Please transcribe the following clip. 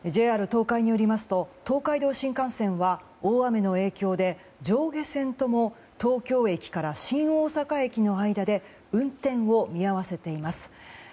ＪＲ東海によりますと東海道新幹線は大雨の影響で上下線とも東京駅から新大阪駅の間で運転を見合わせています。